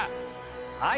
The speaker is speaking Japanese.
はい。